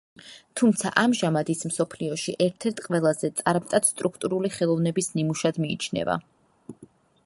თუმცა ამჟამად ის მსოფლიოში ერთ-ერთ ყველაზე წარმტაც სტრუქტურული ხელოვნების ნიმუშად მიიჩნევა.